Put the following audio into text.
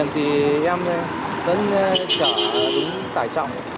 thì em vẫn chở đúng tải trọng